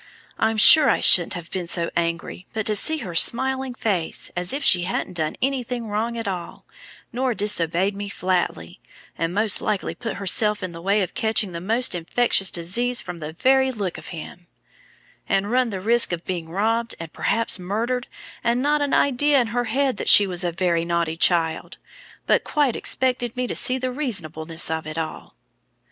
I'm sure I shouldn't have been so angry but to see her smiling face, as if she hadn't done any wrong at all, nor disobeyed me flatly, and most likely put herself in the way of catching the most infectious disease from the very look of him, and run the risk of being robbed and perhaps murdered, and not an idea in her head that she was a very naughty child, but quite expected me to see the reasonableness of it all!"